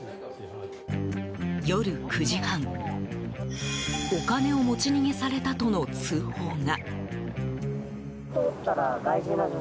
夜９時半、お金を持ち逃げされたとの通報が。